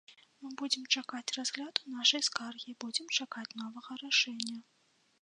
Мы будзем чакаць разгляду нашай скаргі, будзем чакаць новага рашэння.